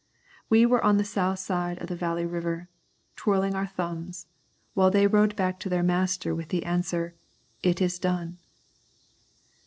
We were on the south side of the Valley River twirling our thumbs, while they rode back to their master with the answer, "It is done."